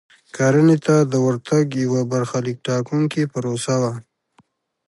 کرنې ته د ورتګ یوه برخلیک ټاکونکې پروسه وه.